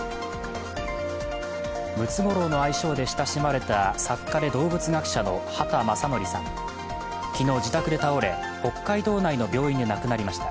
ムツゴロウの愛称で親しまれた作家で動物学者の畑正憲さん昨日自宅で倒れ、北海道内の病院で亡くなりました。